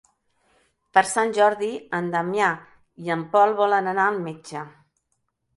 Per Sant Jordi en Damià i en Pol volen anar al metge.